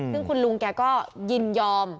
ซึ่งคุณลุงแกก็ยินยอม